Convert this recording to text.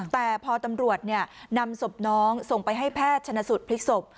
แต่พอตำรวจนำศพน้องส่งไปให้แพทย์ชนะสูตรพลิกศพ